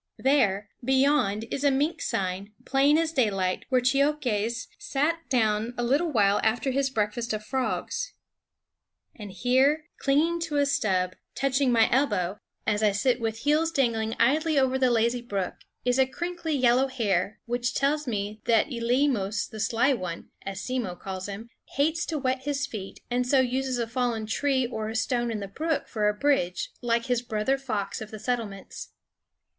There, beyond, is a mink sign, plain as daylight, where Cheokhes sat down a little while after his breakfast of frogs. And here, clinging to a stub, touching my elbow as I sit with heels dangling idly over the lazy brook, is a crinkly yellow hair, which tells me that Eleemos the Sly One, as Simmo calls him, hates to wet his feet, and so uses a fallen , or a stone in the brook, for a bridge, like his brother fox of the settlements.